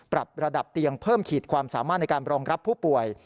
ปรับระดับเตียงเพิ่มขีดความสามารถในการรองรับผู้ป่วย